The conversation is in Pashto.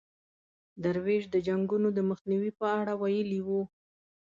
درویش د جنګونو د مخنیوي په اړه ویلي وو.